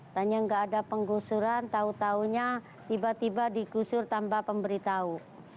tanya nggak ada penggusuran tahu tahunya tiba tiba digusur tambah pemberitahu